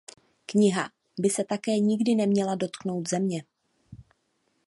Kniha by se také nikdy neměla dotknout země.